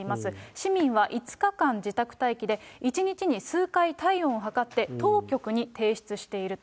市民は５日間自宅待機で、１日に数回体温を測って、当局に提出していると。